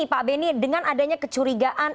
pak benny dengan adanya kecurigaan